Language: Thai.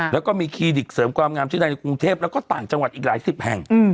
แล้วก็มีคลินิกเสริมความงามชื่อดังในกรุงเทพแล้วก็ต่างจังหวัดอีกหลายสิบแห่ง